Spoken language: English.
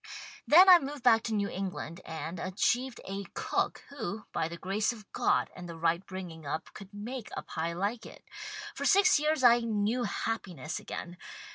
Then I moved back to New England and, achieved a cook who, by the grace of God and the right bringing up could make a pie like it. For six years I knew happi ness again.